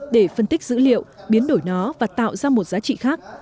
để phân tích dữ liệu biến đổi nó và tạo ra một giá trị khác